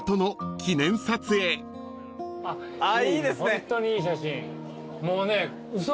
ホントにいい写真。